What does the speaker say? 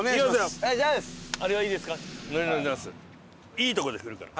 いいとこで振るから。